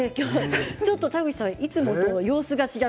ちょっと田口さんいつもと様子が違う。